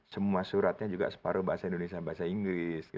semua suratnya juga separuh bahasa indonesia bahasa inggris